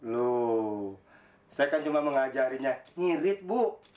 loh saya kan cuma mengajarinya ngirit bu